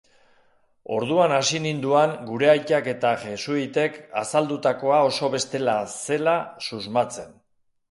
Orduan hasi ninduan gure aitak eta jesuitek azaldutakoa oso bestela zela susmatzen.